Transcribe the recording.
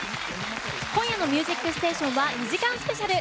今夜の「ミュージックステーション」は２時間スペシャル。